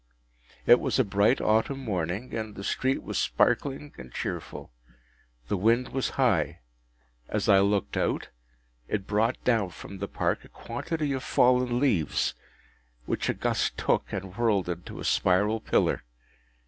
It was a bright autumn morning, and the street was sparkling and cheerful. The wind was high. As I looked out, it brought down from the Park a quantity of fallen leaves, which a gust took, and whirled into a spiral pillar.